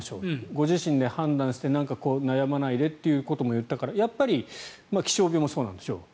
ご自身で判断して悩まないでっていうことも言ったからやっぱり気象病もそうなんでしょう。